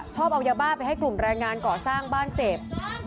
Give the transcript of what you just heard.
ชอบเอายาบ้าไปให้กลุ่มแรงงานก่อสร้างบ้านเสพ